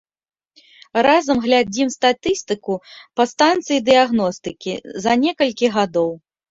Разам глядзім статыстыку па станцыі дыягностыкі за некалькі гадоў.